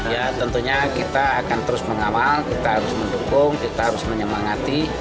ya tentunya kita akan terus mengawal kita harus mendukung kita harus menyemangati